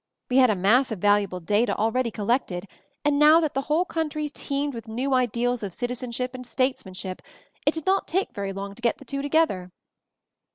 "We had a mass of valuable data already collected, and now that the whole country MOVING THE MOUNTAIN 135 teemed with new ideals of citizenship and statesmanship, it did not take very long to get the two together."